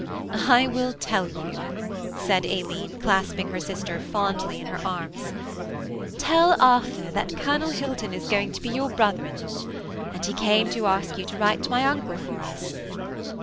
"I will tell you," said Aileen, clasping her sister fondly in her arms: "tell Arthur that Colonel Hilton is going to be your brother in law, and he came to ask you to write to my uncle for us.